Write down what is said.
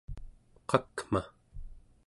qakma